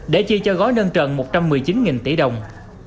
để chi cho gói nâng trần một trăm một mươi chín tỷ đồng